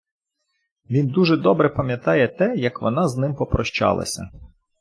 він дуже добре пам'ятає те, як вона з ним попрощалася